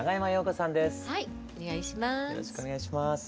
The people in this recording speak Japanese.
よろしくお願いします。